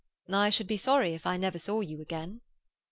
"I should be sorry if I never saw you again."